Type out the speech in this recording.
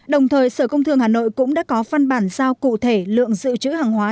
đồng thời sở công thương hà nội cũng đã có phân bản giao cụ thể lượng dự trữ hàng hóa